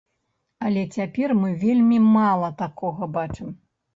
Але цяпер мы вельмі мала такога бачым.